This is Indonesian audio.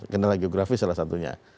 kendala geografis salah satunya